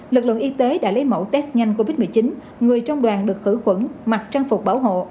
lực lượng y tế đã lấy mẫu test nhanh covid một mươi chín người trong đoàn được khử khuẩn mặc trang phục bảo hộ